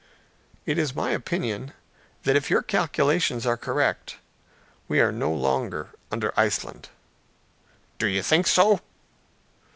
"It is my opinion that if your calculations are correct we are no longer under Iceland." "Do you think so?"